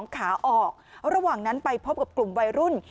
ขาออกระหว่างนั้นไปพบกับกลุ่มวัยรุ่น